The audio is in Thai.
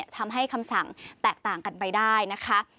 คำสั่งแตกต่างกันไปได้นะคะ